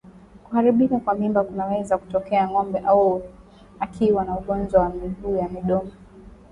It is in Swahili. Kuharibika kwa mimba kunaweza kutokea ngombe akiwa na ugonjwa wa miguu na midomo